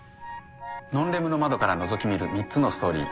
『ノンレムの窓』からのぞき見る３つのストーリー。